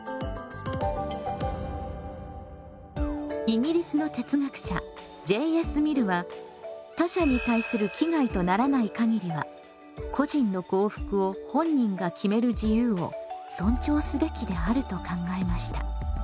イギリスの哲学者Ｊ．Ｓ．ミルは他者に対する危害とならないかぎりは個人の幸福を本人が決める自由を尊重すべきであると考えました。